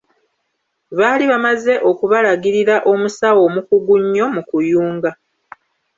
Baali bamaze okubalagirira omusawo omukugu nnyo mu kuyunga.